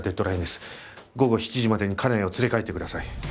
午後７時までに家内を連れ帰ってください。